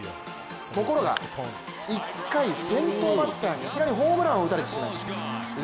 ところが１回先頭バッターにいきなりホームランを打たれてしまう。